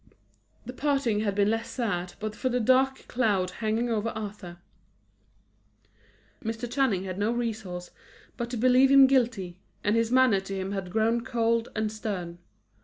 The parting had been less sad but for the dark cloud hanging over Arthur. Mr. Channing had no resource but to believe him guilty, and his manner to him had grown cold and stern.